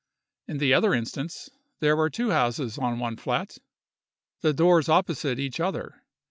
In the other instance, there were two houses on one flat, the doors opposite each other.